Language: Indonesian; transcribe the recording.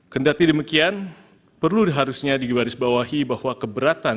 kendati demikian perlu harusnya digarisbawahi bahwa keberatan